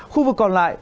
khu vực còn lại